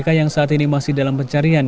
kayakers bapak aasha menurutmu dulu tak ngerti itu